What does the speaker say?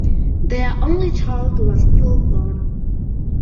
Their only child was still-born.